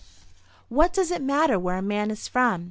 What does it matter where a man is from?